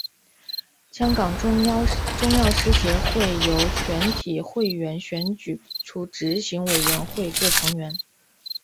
香港中药师协会由全体会员选举出执行委员会各成员。